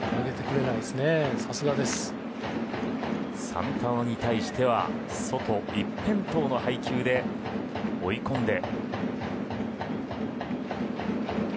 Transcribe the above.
サンタナに対しては外一辺倒の配球で追い込んで。